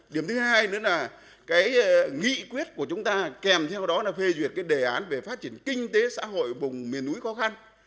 điểm thứ hai nữa là cái nghị quyết của chúng ta kèm theo đó là phê duyệt cái đề án về phát triển kinh tế xã hội vùng miền núi khó khăn